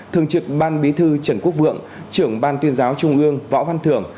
thường trực ban bí thư trần quốc vượng trưởng ban tuyên giáo trung ương võ văn thưởng